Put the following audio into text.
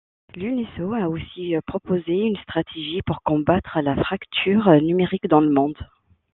L'Unesco a aussi proposé une stratégie pour combattre la fracture numérique dans le monde.